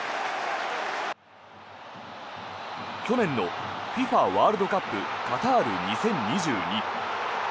去年のＦＩＦＡワールドカップカタール２０２２。